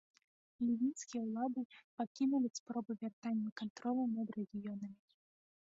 Лівійскія ўлады пакінулі спробы вяртання кантролю над рэгіёнамі.